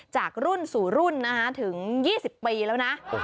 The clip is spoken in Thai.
จากรุ่นสู่รุ่นถึง๒๐ปีแล้วนะ